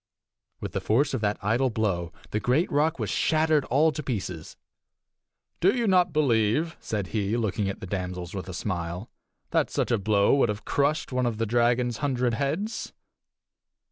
With the force of that idle blow the great rock was shattered all to pieces. "Do you not believe," said he, looking at the damsels with a smile, "that such a blow would have crushed one of the dragon's hundred heads?"